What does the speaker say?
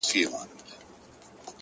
• سړي وویل قسم دی چي مسکین یم,